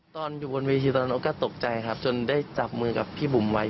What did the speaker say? ตอนอยู่บนเวทีตอนนั้นโอ๊ตก็ตกใจครับจนได้จับมือกับพี่บุ๋มไว้